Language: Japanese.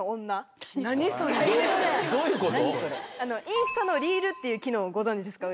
インスタのリールっていう機能ご存じですか？